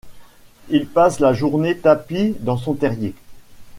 Il passe la journée tapi dans son terrier.